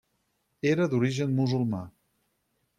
Era d'origen musulmà.